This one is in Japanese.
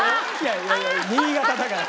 いやいや新潟だから。